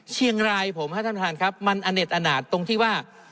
เชียงรายผมประธานครับมันอาเน็ตอาหนาคตรงที่ว่า